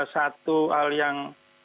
satu hal yang